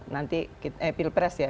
nanti eh pilpres ya